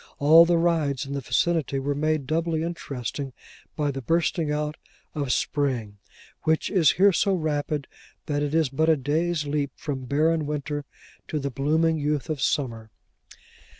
All the rides in the vicinity were made doubly interesting by the bursting out of spring, which is here so rapid, that it is but a day's leap from barren winter, to the blooming youth of summer.